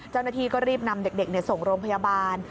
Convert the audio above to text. เจ้าหน้าที่ก็รีบนำเด็กส่งโรงพยาบาล